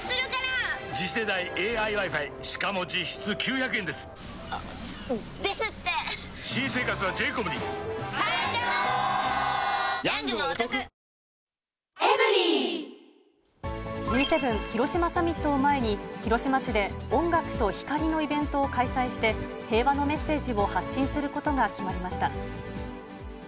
やさしい確定申告はｆｒｅｅｅＧ７広島サミットを前に、広島市で音楽と光のイベントを開催して、平和のメッセージを発信することが決まりました。